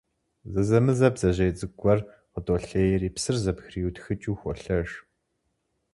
Зэзэмызэ бдзэжьей цӀыкӀу гуэр къыдолъейри, псыр зэбгриутхыкӀыу, холъэж.